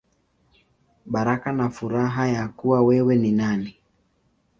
Baraka na Furaha Ya Kuwa Wewe Ni Nani.